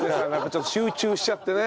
ちょっと集中しちゃってね。